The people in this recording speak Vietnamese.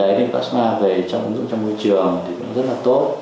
bên cạnh đấy thì plasma về trong ứng dụng trong môi trường thì cũng rất là tốt